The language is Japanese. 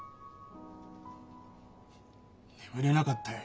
眠れなかったよ